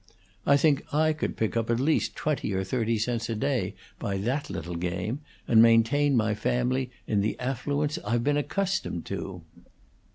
I think I could pick up at least twenty or thirty cents a day by that little game, and maintain my family in the affluence it's been accustomed to."